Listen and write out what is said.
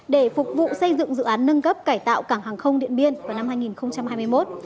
để phục vụ xây dựng dự án nâng cấp cải tạo cảng hàng không điện biên vào năm hai nghìn hai mươi một